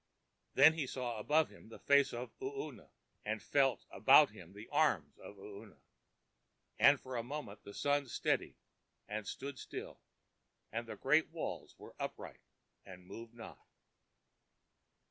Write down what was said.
Then he saw above him the face of Oona, and felt about him the arms of Oona; and for a moment the sun steadied and stood still, and the great walls were upright and moved not.